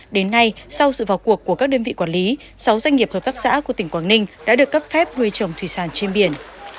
đến nay sau sự vào cuộc của các đơn vị quản lý sáu doanh nghiệp hợp tác xã của tỉnh quảng ninh đã được cấp phép nuôi trồng thủy sản trên biển